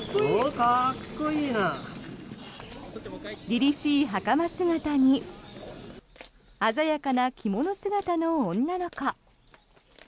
りりしい袴姿に鮮やかな着物姿の女の子。